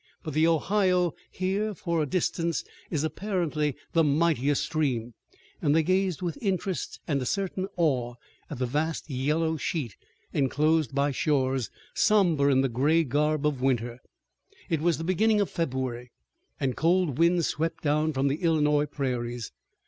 But the Ohio here for a distance is apparently the mightier stream, and they gazed with interest and a certain awe at the vast yellow sheet enclosed by shores, somber in the gray garb of winter. It was the beginning of February, and cold winds swept down from the Illinois prairies.